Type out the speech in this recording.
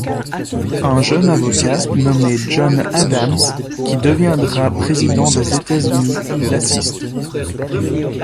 Un jeune avocat nommé John Adams, qui deviendra président des États-Unis, l'assiste.